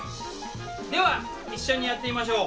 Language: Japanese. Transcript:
では一緒にやってみましょう。